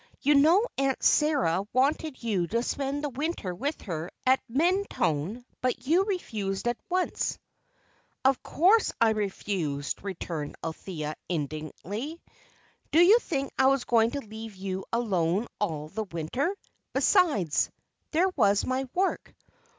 You know Aunt Sara wanted you to spend the winter with her at Mentone, but you refused at once." "Of course I refused," returned Althea, indignantly. "Do you think I was going to leave you alone all the winter? Besides, there was my work.